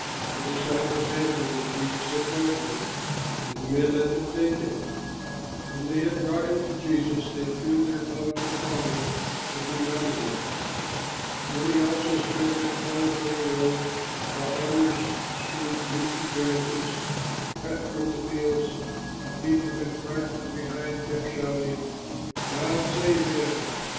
The disciples answered as Jesus had told them, and the men let them take it. When they had brought it to Jesus, they threw their cloaks upon it, and he mounted it. Many also spread their clothes on the road, while others strewed leafy branches cut from the fields; and people in front and behind kept shouting: "God save him!